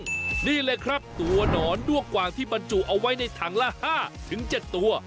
นี่เลยครับตัวหนอนด้วงกว่างที่บรรจุเอาไว้ในถังละ๕๗ตัว